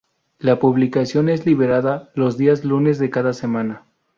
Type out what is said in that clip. La publicación es liberada los días lunes de cada semana.